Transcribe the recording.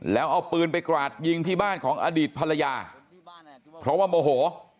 แล้วเอาปืนไปกราดยิงที่บ้านของอดีตภรรยาเพราะว่าโมโห